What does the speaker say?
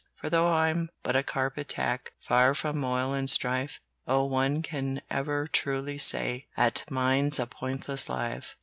"For though I'm but a carpet tack, Afar from moil and strife, No one can ever truly say That mine's a pointless life."